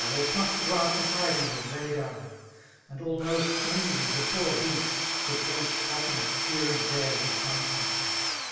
Or pluck the^ntfN) beside hifii Willi ragne eye> And almost envy the poor beast, that went Cropping it, here aad tHere^ With dumb oimttet.